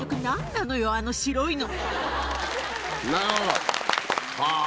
ああ。